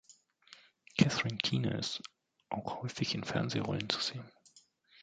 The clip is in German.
Catherine Keener ist auch häufig in Fernsehrollen zu sehen.